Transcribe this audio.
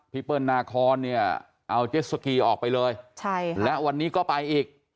เปิ้ลนาคอนเนี่ยเอาเจ็ดสกีออกไปเลยและวันนี้ก็ไปอีก